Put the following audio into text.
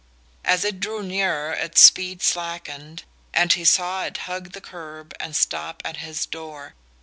As it drew nearer its speed slackened, and he saw it hug the curb and stop at his door.